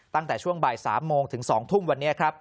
ตั้งแต่ช่วงบ่าย๓โมงถึง๒ทุ่มวันนี้ครับ